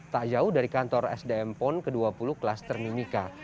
tak jauh dari kantor sdm pon ke dua puluh klaster mimika